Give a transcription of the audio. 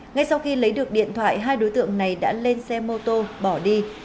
ngay sau khi lấy được điện thoại hai đối tượng này đã lên xe mô tô bỏ đi